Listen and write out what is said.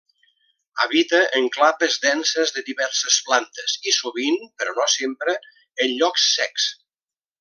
Habita en clapes denses de diverses plantes, i sovint, però no sempre, en llocs secs.